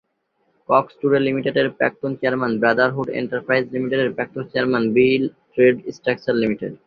Cox today লিমিটেডের প্রাক্তন chairman, brotherhood enterprise লিমিটেডের প্রাক্তন চেয়ারম্যান, বিল ট্রেড স্ট্রাকচার লি।